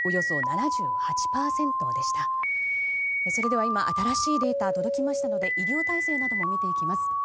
それでは、今新しいデータが届きましたので医療体制なども見ていきます。